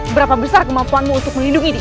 berapa besar kemampuanmu untuk melindungi diri